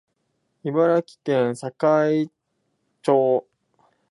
茨城県境町